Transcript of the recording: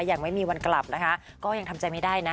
ยังไม่มีวันกลับนะคะก็ยังทำใจไม่ได้นะ